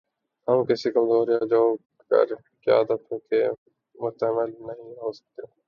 ہم کسی کمزور یا جوکر قیادت کے متحمل نہیں ہو سکتے۔